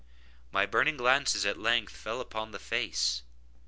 My burning glances at length fell upon the face.